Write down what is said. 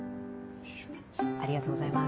ありがとうございます。